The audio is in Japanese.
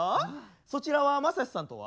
そちらはマサシさんとは？